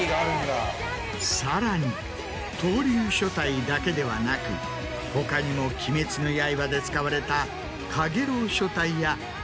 さらに闘龍書体だけではなく他にも『鬼滅の刃』で使われた。